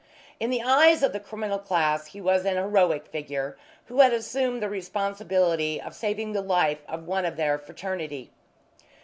In the eyes of the criminal class he was an heroic figure who had assumed the responsibility of saving the life of one of their fraternity.